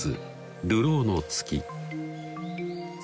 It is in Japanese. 「流浪の月」